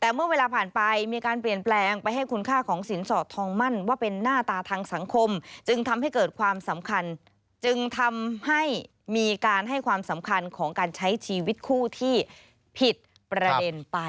แต่เมื่อเวลาผ่านไปมีการเปลี่ยนแปลงไปให้คุณค่าของสินสอดทองมั่นว่าเป็นหน้าตาทางสังคมจึงทำให้เกิดความสำคัญจึงทำให้มีการให้ความสำคัญของการใช้ชีวิตคู่ที่ผิดประเด็นไป